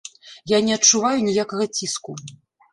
Я не адчуваю ніякага ціску.